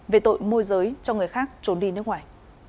về tội môi giới cho người khác trốn đi nước ngoài